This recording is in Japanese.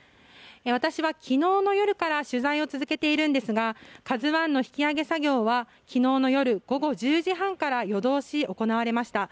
私は昨日の夜から取材を続けているのですが「ＫＡＺＵ１」の引き揚げ作業は昨日の夜、午後１０時半から夜通し行われました。